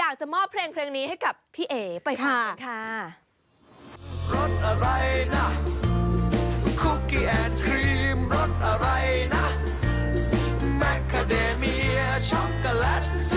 อยากจะมอบเพลงนี้ให้กับพี่เอ๋ไปฟังกันค่ะ